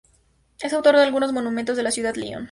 Es autor de algunos monumentos de su ciudad Lyon.